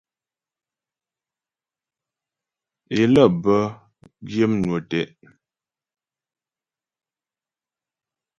É lə́ bə́ gyə̂ mnwə tɛ́'.